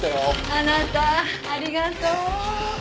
あなたありがとう。